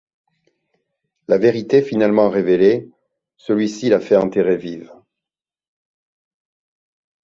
La vérité finalement révélée, celui-ci la fait enterrer vive.